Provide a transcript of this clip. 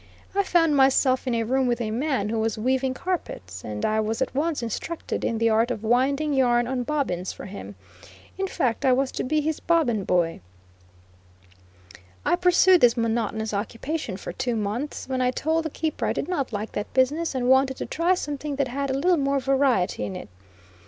I found myself in a room with a man who was weaving carpets, and I was at once instructed in the art of winding yarn on bobbins for him in fact, I was to be his "bobbin boy." I pursued this monotonous occupation for two months, when I told the keeper I did not like that business, and wanted to try something that had a little more variety in it.